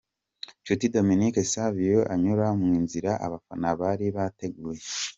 Nshuti Dominique Savio anyura mu nzira abafana bari bateguye.